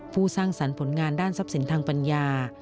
สร้างสรรค์ผลงานด้านทรัพย์สินทางปัญญา